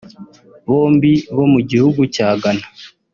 bombi bo mu gihugu cya Ghana